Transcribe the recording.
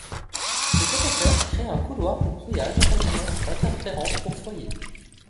Ces émetteurs créent un couloir de brouillage occasionnant des interférences pour foyers.